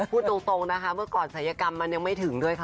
พูดตรงนะคะเมื่อก่อนศัยกรรมมันยังไม่ถึงด้วยค่ะ